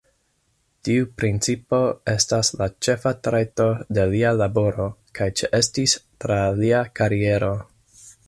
Tiu principo estas la ĉefa trajto de lia laboro kaj ĉeestis tra lia kariero.